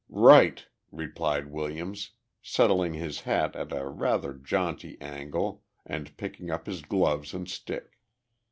"Right!" replied Williams, settling his hat at a rather jaunty angle and picking up his gloves and stick.